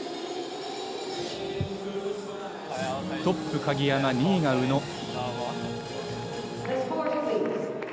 トップ鍵山、２位が宇野。